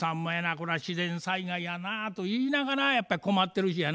これは自然災害やなと言いながらやっぱり困ってるしやな。